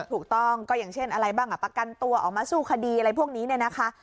ถูกต้องก็อย่างเช่นอะไรบ้างประกันตัวออกมาสู้คดีอะไรพวกนี้เนี่ยนะคะ